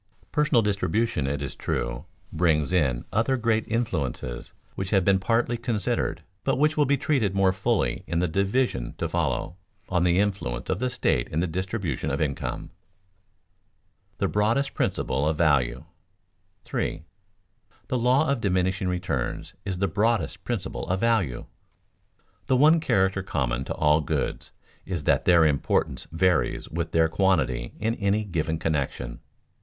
Personal distribution, it is true, brings in other great influences which have been partly considered, but which will be treated more fully in the division to follow, on the influence of the state in the distribution of income. [Sidenote: The broadest principle of value] 3. The law of diminishing returns is the broadest principle of value. The one character common to all goods is that their importance varies with their quantity in any given connection.